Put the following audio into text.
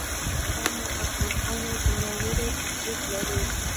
د رهبرانو او پوهانو زورور تحرک لري.